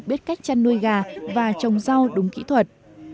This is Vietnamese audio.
biết cách chăn nuôi gà và trồng rau đúng kỹ thuật